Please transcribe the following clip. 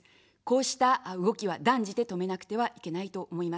こうした動きは断じて止めなくてはいけないと思います。